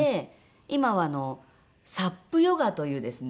今はサップヨガというですね